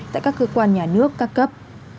tại các cơ quan nhà nước ca cấp